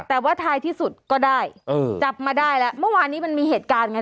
แต่ว่าท้ายที่สุดก็ได้เออจับมาได้แล้วเมื่อวานนี้มันมีเหตุการณ์ไง